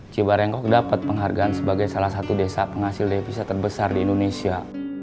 bapak pernah mendapat penghargaan sebagai salah satu desa penghasil devisa terbesar di indonesia